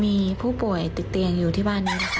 มีผู้ป่วยติดเตียงอยู่ที่บ้านนี้ค่ะ